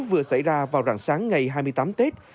vừa xảy ra vào rạng sáng ngày hai mươi tám tết